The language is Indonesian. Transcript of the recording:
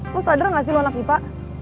lo sadar gak sih lo anak ipa